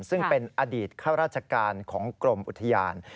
ซึ่งเป็นอดีตข้าราชการของกรมอุทยาน